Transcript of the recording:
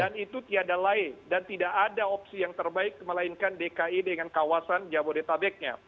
dan itu tiada lain dan tidak ada opsi yang terbaik melainkan dki dengan kawasan jabodetabeknya